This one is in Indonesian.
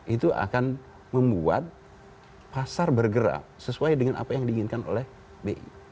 itu akan membuat pasar bergerak sesuai dengan apa yang diinginkan oleh bi